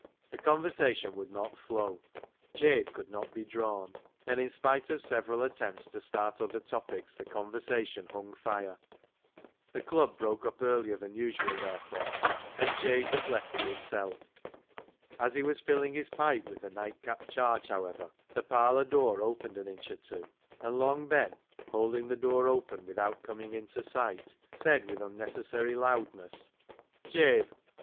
The conversation would not flow — Jabe could not be drawn ; and in spite of several attempts to start other topics, the conversation hung fire. The Club broke up earlier than usual therefore, and Jabe was left to himself. As he was filling his pipe with the nightcap charge, however, the parlour door opened an inch or two, and Long Ben, holding 46 CLOG SHOP CHRONICLES the door open without coming into sight, said with unnecessary loudness — "Jabe!"